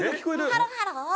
「ハロハロ」